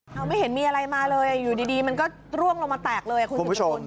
เอาไม่เห็นมีอะไรมาเลยอยู่ดีมันก็ร่วงลงมาแตกเลยคุณสุดสกุล